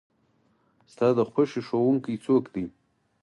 ستا د خوښې ښوونکي څوک دی؟